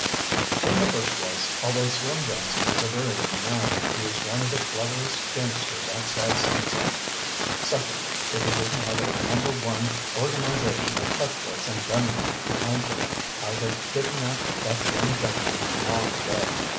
"In the first place, although Slim Johnson is a very young man, he is one of the cleverest gangsters outside Sing Sing. Secondly, if he didn't have an A No. 1 organization of cutthroats and gunmen behind him, I'd have kidnapped that young gentleman long ago.